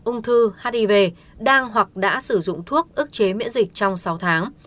ung thư hiv đang hoặc đã sử dụng thuốc ức chế miễn dịch trong sáu tháng